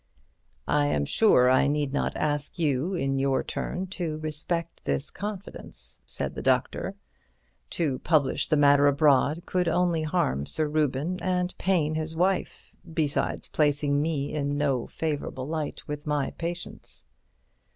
"I am sure I need not ask you, in your turn, to respect this confidence," said the doctor. "To publish the matter abroad could only harm Sir Reuben and pain his wife, besides placing me in no favourable light with my patients."